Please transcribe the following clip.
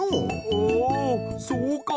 ああそうか。